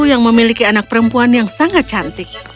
yang memiliki anak perempuan yang sangat cantik